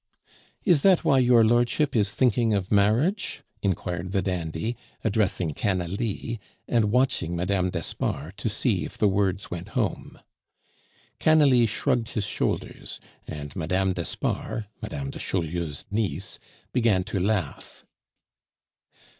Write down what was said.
"Is that why your lordship is thinking of marriage?" inquired the dandy, addressing Canalis, and watching Mme. d'Espard to see if the words went home. Canalis shrugged his shoulders, and Mme. d'Espard, Mme. de Chaulieu's niece, began to laugh.